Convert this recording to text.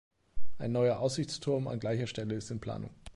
Ein neuer Aussichtsturm an gleicher Stelle ist in Planung.